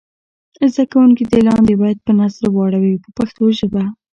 زده کوونکي دې لاندې بیت په نثر واړوي په پښتو ژبه.